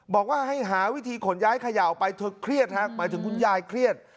บอกว่าให้หาวิธีขนย้ายเขย่าออกไปเธอเครียดฮะหมายถึงคุณยายเครียด